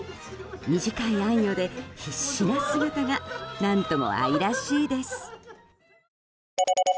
短いあんよで必死な姿が何とも愛らしいです。